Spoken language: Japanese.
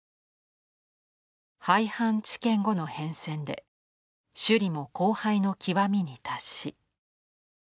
「廃藩置県後の変遷で首里も荒廃の極みに達し」。